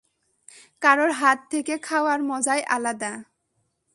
কারো হাত থেকে খাওয়ার মজাই আলাদা।